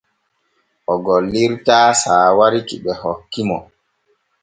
O gollirtaa saawari ki ɓe hokki mo.